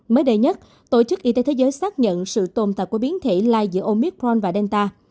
mới đây nhất tổ chức y tế thế giới xác nhận sự tồn tại của biến thể lai giữa omicron và delta